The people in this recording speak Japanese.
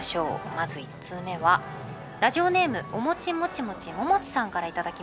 まず１通目はラジオネームおもちもちもちももちさんから頂きました。